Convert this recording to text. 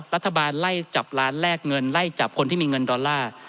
รัฐบาลไล่จับล้านแลกเงินไล่จับคนที่มีเงินดอลลาร์